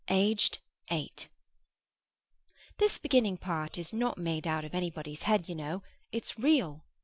THIS beginning part is not made out of anybody's head, you know. It's real.